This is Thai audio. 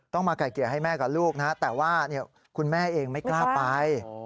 มาไก่เกลี่ยให้แม่กับลูกนะแต่ว่าคุณแม่เองไม่กล้าไป